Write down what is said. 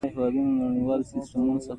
د زړۀ پاکوالی د عمل ښکلا ده.